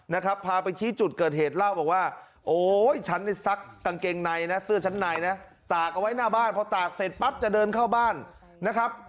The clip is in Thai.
นะครับพาไปชี้จุดเกิดเหตุเล่าบอกว่าโอ้ยฉันเนี่ยซักกางเกงในนะเสื้อชั้นในนะตากเอาไว้หน้าบ้านพอตากเสร็จปั๊บจะเดินเข้าบ้านนะครับ